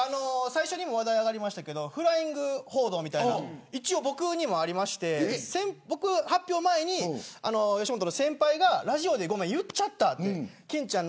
最初に話題に上がりましたがフライング報道みたいな僕にも一応ありまして発表前に吉本の先輩がラジオで言っちゃった。